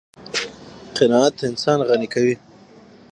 قناعت انسان غني کوي.